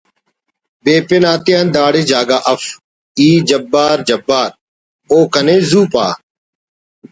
بے پن آتے داڑے جاگہ اف ……“ ”ای جبار جبار ……“ او کنے زو پہہ